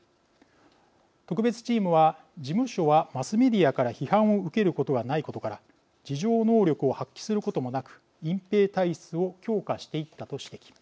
特別チームは事務所はマスメディアから批判を受けることがないことから自浄能力を発揮することもなく隠蔽体質を強化していったと指摘。